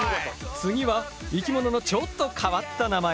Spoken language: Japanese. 次は生き物のちょっと変わった名前。